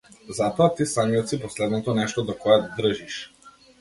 Затоа ти самиот си последното нешто до кое држиш.